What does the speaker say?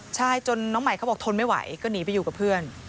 ใช่จนน้องใหม่เขาบอกทนไม่ไหวก็หนีไปอยู่กับเพื่อน